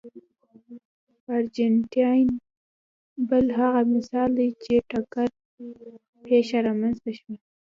ارجنټاین بل هغه مثال دی چې ټکر پېښه رامنځته شوه.